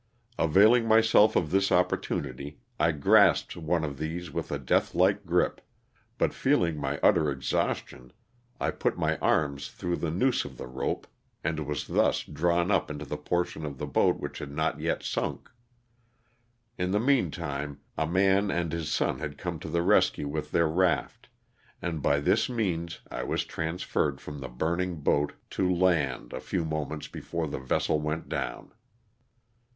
Availing myself of this opportunity, I grasped one of these with a death like grip, but feeling my utter ex haustion, I put my arms through the noose of the rope and was thus drawn up into the portion of the boat which had not yet sunk. In the meantime a man and his son had come to the rescue with their raft, and by this means I was transferred from the burning boat to land a few moments before the vessel went down.